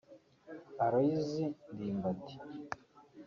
Aloys Ndimbati